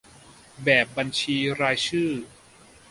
แบบบัญชีรายชื่อ